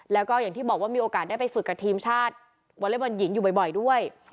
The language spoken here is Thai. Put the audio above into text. แล้วก็อย่างที่บอกว่ามีโอกาสได้ไปฝึกกับทีมชาติวอเล็กบอลหญิงอยู่บ่อยด้วย